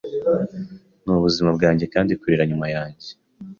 Nubuzima bwanjye kandikurira nyuma yanjye